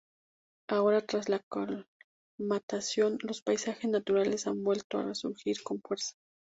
Ahora, tras la colmatación, los paisajes naturales han vuelto a resurgir con fuerza.